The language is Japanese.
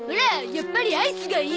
やっぱりアイスがいい！